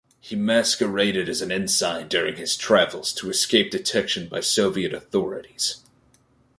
He masqueraded as an ensign during his travels to escape detection by Soviet authorities.